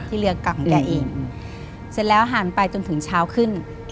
เรือเก่าของแกเองเสร็จแล้วหันไปจนถึงเช้าขึ้น